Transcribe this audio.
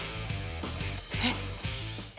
えっ？